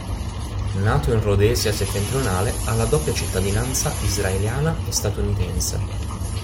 Nato in Rhodesia Settentrionale, ha la doppia cittadinanza israeliana e statunitense.